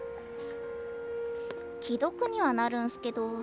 既読にはなるんすけど。